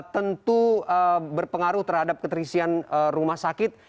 tentu berpengaruh terhadap keterisian rumah sakit